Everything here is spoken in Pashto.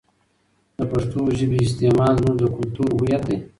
د پښتو ژبې استعمال زموږ د کلتور هویت دی.